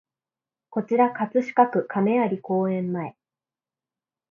こちら葛飾区亀有公園前